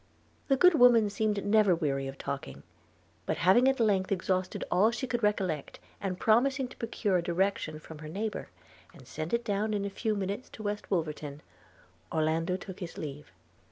The good woman seemed never weary of talking; but having at length exhausted all she could recollect, and promising to procure a direction from her neighbour, and send it down in a few minutes to West Wolverton, Orlando took his leave.